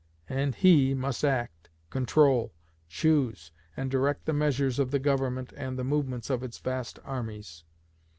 And he must act, control, choose, and direct the measures of the Government and the movements of its vast armies.